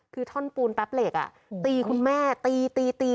คือท่อนปูนแป๊บเหล็กตีคุณแม่ตีตี